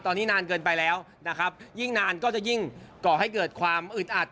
ตอนนี้นานเกินไปแล้วนะครับยิ่งนานก็จะยิ่งก่อให้เกิดความอึดอัด